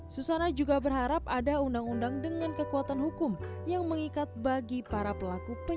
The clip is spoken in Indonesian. susana juga berharap ada undang undang dengan kekuatan hukum yang mengikat bagi para pelaku perjalanan